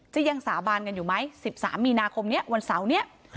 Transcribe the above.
ยังสาบานกันอยู่ไหม๑๓มีนาคมนี้วันเสาร์นี้